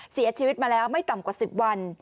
เสียชีวิตมาแล้วไม่ต่ำกว่า๑๐วัน